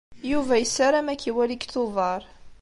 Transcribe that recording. Yuba yessaram ad k-iwali deg Tubeṛ.